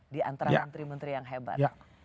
diantara menteri menteri yang hebat